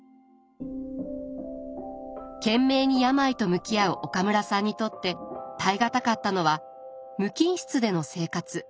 懸命に病と向き合う岡村さんにとって耐え難かったのは無菌室での生活。